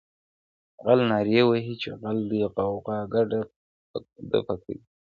غل نارې وهي چي غل دی غوغا ګډه ده په کلي،